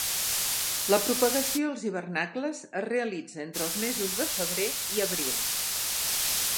La propagació als hivernacles es realitza entre els mesos de febrer i abril.